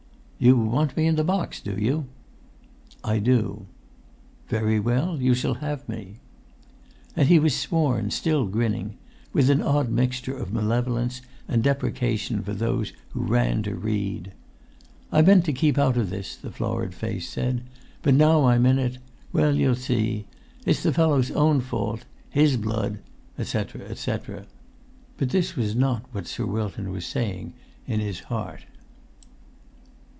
"You want me in the box, do you?" "I do." "Very well; you shall have me." And he was sworn, still grinning, with an odd mixture of malevolence and deprecation for those who ran to read. "I meant to keep out of this," the florid face said; "but now I'm in it—well, you'll see! It's the fellow's own fault; his blood" etc., etc. But this was not what Sir Wilton was saying in his heart.